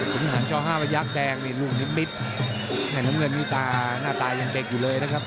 ขุนหาญชอ๕ประยักษณ์แดงรุ่งนิมิตแค่น้ำเงินนี่หน้าตายังเด็กอยู่เลยนะครับ